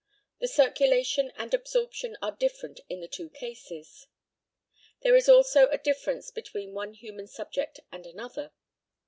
The circulation and absorption are different in the two cases. There is also a difference between one human subject and another.